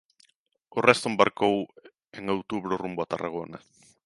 O resto embarcou en outubro rumbo a Tarragona.